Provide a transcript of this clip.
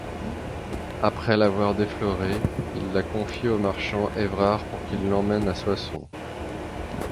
Après l'avoir déflorée, il la confie au marchand Evrard pour qu'il l'emmène à Soissons.